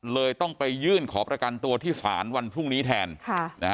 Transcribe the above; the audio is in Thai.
เลยต้องไปยื่นขอประกันตัวที่ศาลวันพรุ่งนี้แทนค่ะนะฮะ